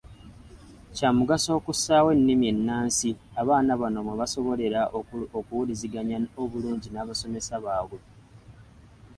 Kya mugaso okussaawo ennimi ennansi abaana bano mwe basobolera okuwuliziganyiza obulungi n’abasomesa baabwe.